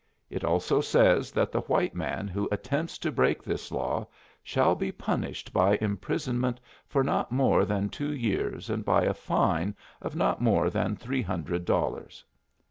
It also says that the white man who attempts to break this law "shall be punished by imprisonment for not more than two years and by a fine of not more than three hundred dollars."